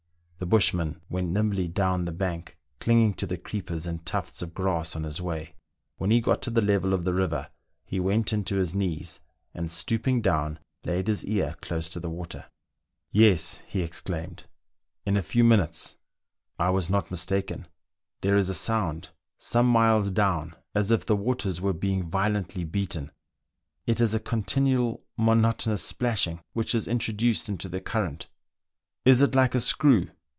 The bushman went nimbly down the bank, clinging to the creepers and tufts oi grass on his way. When he got to the level of the river, he went in to his knees, and stoop ing down, laid his ear close to the water. c 1 8 MERIDIANA; THE ADVENTURES OF " Yes !" he exclaimed, in a few minutes, " I was not mis taken ; there is a sound, some miles down, as if the waters were being violently beaten ; it is a continual monotonous splashing which is introduced into the current." " Is it like a screw?"